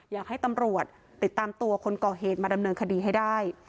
อยากให้ตำรวจติดตามตัวคนก่อเหตุมาดำเนินคดีให้ได้